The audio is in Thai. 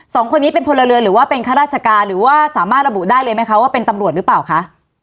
สองคนนี้เป็นพลเรือนหรือว่าเป็นข้าราชการหรือว่าสามารถระบุได้เลยไหมคะว่าเป็นตำรวจหรือเปล่าคะ